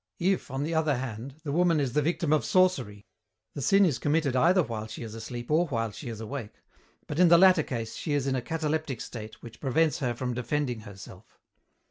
If, on the other hand, the woman is the victim of sorcery, the sin is committed either while she is asleep or while she is awake, but in the latter case she is in a cataleptic state which prevents her from defending herself.